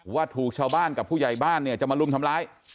ว่าถูกชาวบ้านกับผู้ใหญ่บ้านเนี่ยจะมารุมทำร้าย